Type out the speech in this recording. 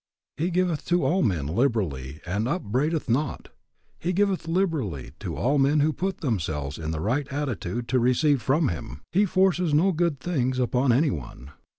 "He giveth to all men liberally and upbraideth not." He giveth liberally to all men who put themselves in the right attitude to receive from Him. He forces no good things upon any one.